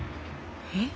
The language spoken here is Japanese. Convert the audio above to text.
えっ？